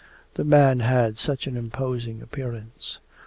The man had such an imposing appearance.